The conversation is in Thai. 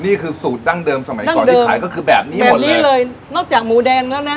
นี่คือสูตรดั้งเดิมสมัยก่อนที่ขายก็คือแบบนี้หมดเลยนี่เลยนอกจากหมูแดงแล้วนะ